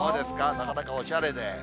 なかなかおしゃれで。